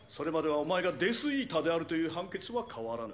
お前がデス・イーターであるという判決は変わらぬ